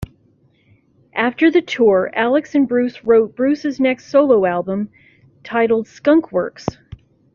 After the tour, Alex and Bruce wrote Bruce's next solo album, titled Skunkworks.